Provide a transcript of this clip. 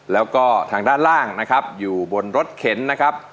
แล้วก็ทางด้านล่างนะครับอยู่บนรถเข็นนะครับ